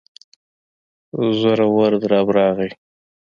زورور درب راغی.